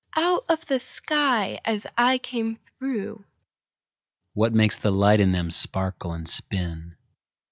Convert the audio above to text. Out of the sky as I came through. What makes the light in them sparkle and spin?